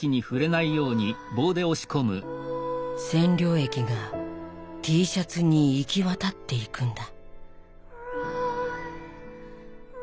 染料液がＴシャツに行き渡っていくんだ。